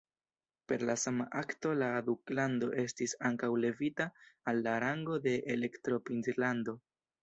Per la sama akto la duklando estis ankaŭ levita al la rango de elektoprinclando.